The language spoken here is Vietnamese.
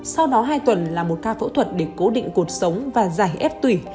sau đó hai tuần là một ca phẫu thuật để cố định cuộc sống và giải ép tùy